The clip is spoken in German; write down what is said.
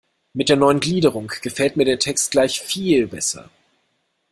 Mit der neuen Gliederung gefällt mir der Text gleich viel besser.